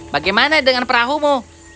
bagaimana dengan perahumu